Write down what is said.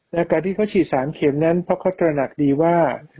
การที่เขาฉีด๓เข็มนั้นเพราะเขาตระหนักดีว่า